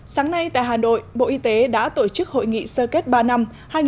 sáng nay tại hà nội bộ y tế đã tổ chức hội nghị sơ kết ba năm hai nghìn một mươi sáu hai nghìn một mươi bảy